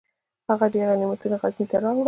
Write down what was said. هغه ډیر غنیمتونه غزني ته راوړل.